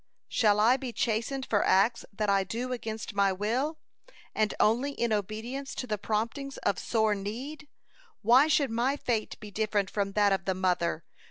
Shall I be chastised for acts that I do against my will, and only in obedience to the promptings of sore need? (145) Why should my fate be different from that of the Mother?